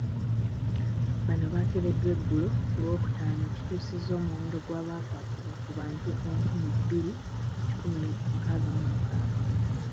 Bano baakebeddwa eggulo ku Lwokutaano, ekituusizza omuwendo gw’abakakwatibwa ku bantu enkumi bbiri kikumi nkaaga mu mukaaga.